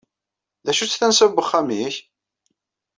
D acu-tt tansa n wexxam-nnek?